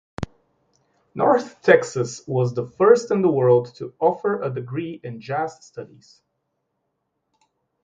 North Texas was first in the world to offer a degree in jazz studies.